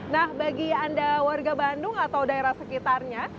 nah bagi anda warga bandung atau daerah sekitarnya